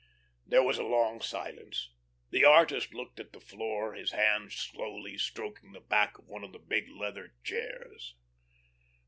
There was a long silence. The artist looked at the floor his hand slowly stroking the back of one of the big leather chairs.